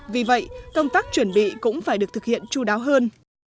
vì vậy công tác chuẩn bị cũng phải được thực hiện chú đáo hơn